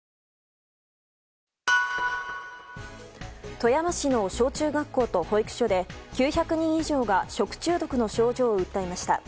富山市の小中学校と保育所で９００人以上が食中毒の症状を訴えました。